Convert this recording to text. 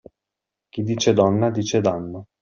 Chi dice donna, dice danno.